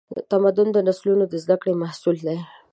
تمدن د نسلونو د زدهکړې محصول دی.